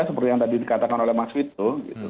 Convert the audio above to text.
seperti yang tadi dikatakan oleh mas fit itu